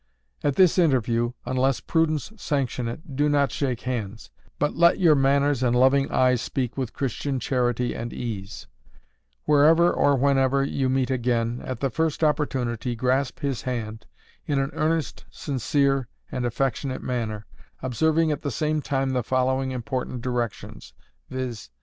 At this interview, unless prudence sanction it, do not shake hands, but let your manners and loving eyes speak with Christian charity and ease; wherever, or whenever you meet again, at the first opportunity grasp his hand, in an earnest, sincere and affectionate manner, observing at the same time, the following important directions, viz.